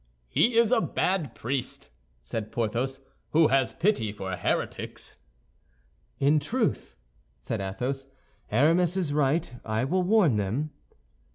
"He is a bad priest," said Porthos, "who has pity for heretics." "In truth," said Athos, "Aramis is right. I will warn them."